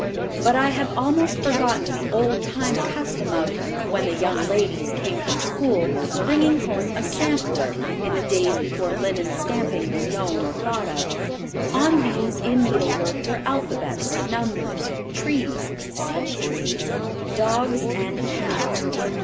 But I have almost forgotten the old time custom of, when the young ladies came from school, bringing home a "sampler," in the days before linen stamping was known or thought of. On these in needlework were alphabets, numbers, trees (such trees), dogs, and cats.